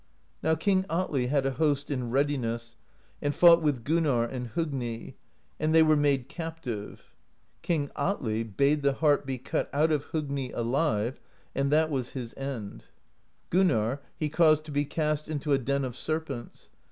Now King Atli had a host in readiness, and fought with Gunnarr and Hogni; and they were made captive. King Atli bade the heart be cut out of Hogni alive, and that was his end. Gun narr he caused to be cast into a den of serpents.